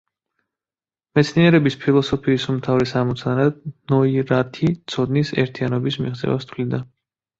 მეცნიერების ფილოსოფიის უმთავრეს ამოცანად ნოირათი ცოდნის ერთიანობის მიღწევას თვლიდა.